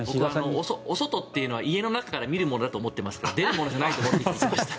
お外っていうのは家の中から見るものだと思っていて出るものじゃないと思っていました。